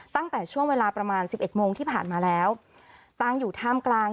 ตั้งแต่ช่วงเวลาประมาณสิบเอ็ดโมงที่ผ่านมาแล้วตั้งอยู่ท่ามกลาง